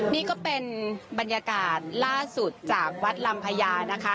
นี่ก็เป็นบรรยากาศล่าสุดจากวัดลำพญานะคะ